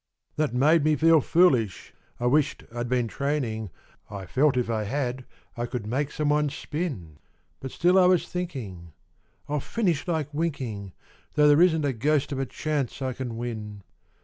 That made me feel foolish, I wished I'd been training, I felt if I had I could make someone spin, But still I was thinking, "I'll finish like winking; Though there isn't a ghost of a chance I can win!"